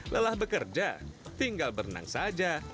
lelah bekerja tinggal berenang saja